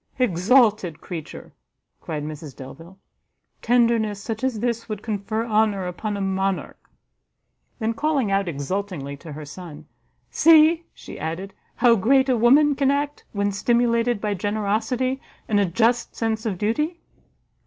"Exalted creature!" cried Mrs Delvile; "tenderness such as this would confer honour upon a monarch." Then, calling out exultingly to her son, "See," she added, "how great a woman can act, when stimulated by generosity, and a just sense of duty!